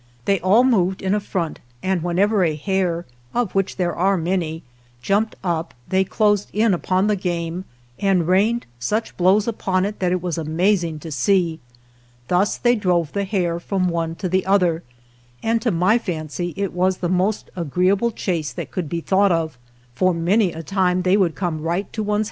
They all moved in a front, and whenever a hare (of which there are many) jumped up they closed in upon the game, and rained such blows upon it that it was amazing to see. Thus they drove the hare from one to the other, and, to my fancy, it was the most agreeable chase that could be thought of, for many a time they would come right to 45 This seems an allusion to native copper.